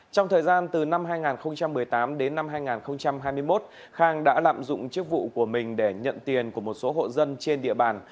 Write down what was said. trong thời gian từ năm hai nghìn một mươi tám đến năm hai nghìn hai mươi một khang đã lạm dụng chức vụ của mình để nhận tiền của một số hộ dân trên địa bàn